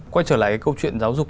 quay trở lại cái câu chuyện giáo dục